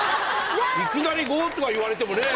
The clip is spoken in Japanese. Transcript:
いきなり５とか言われてもね。